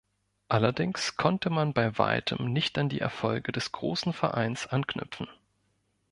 Allerdings konnte man bei weitem nicht an die Erfolge des großen Vereins anknüpfen.